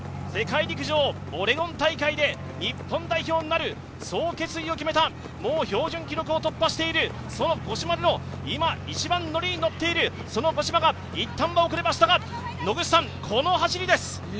世界陸上オレゴン大会で日本代表になる、そう決意を決めた、もう標準記録を突破している五島莉乃、今、一番乗りに乗っているその五島が一旦は後れましたがこの走りです！